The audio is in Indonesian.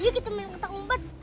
yuk kita main ketempet umpet